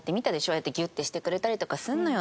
ああやってギュッてしてくれたりとかするのよ